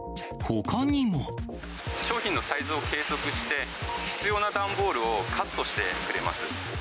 商品のサイズを計測して、必要な段ボールをカットしてくれます。